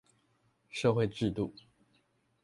社會制度